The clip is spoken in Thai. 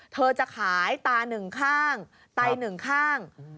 เธอจะขายตาหนึ่งข้างไตหนึ่งข้าง